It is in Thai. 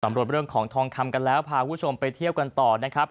เรื่องของทองคำกันแล้วพาคุณผู้ชมไปเที่ยวกันต่อนะครับ